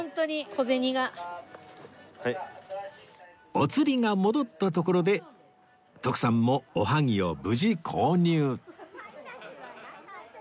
お釣りが戻ったところで徳さんもおはぎを無事購入